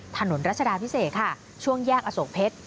รัชดาพิเศษค่ะช่วงแยกอโศกเพชร